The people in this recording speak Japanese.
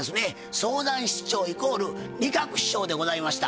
相談室長イコール仁鶴師匠でございました。